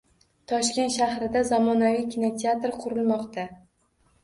Toshkent shahrida zamonaviy kinoteatr qurilmoqda